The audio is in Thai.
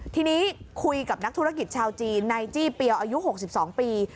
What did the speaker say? ทีนี้คุยกับนักธุรกิจชาวจีนนายจี้เปียวอายุ๖๒ปี